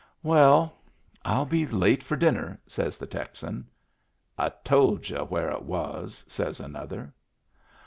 " Well, 111 be late for dinner/' says the Texan. " I told y'u where it was," says another.